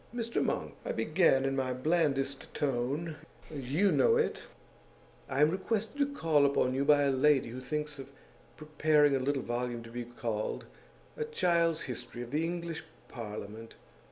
"Mr Monk," I began, in my blandest tone you know it "I am requested to call upon you by a lady who thinks of preparing a little volume to be called 'A Child's History of the English Parliament.